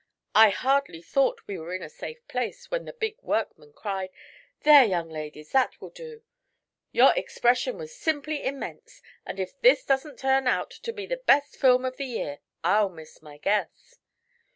I hardly thought we were in a safe place when the big workman cried: 'There, young ladies; that will do. Your expression was simply immense and if this doesn't turn out to be the best film of the year, I'll miss my guess!